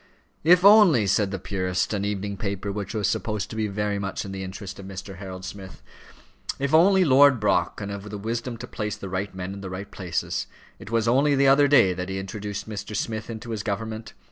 "If only," said the Purist, an evening paper which was supposed to be very much in the interest of Mr. Harold Smith, "if only Lord Brock can have the wisdom to place the right men in the right places. It was only the other day that he introduced Mr. Smith into his government.